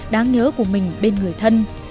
đáng nhớ của mình bên người thân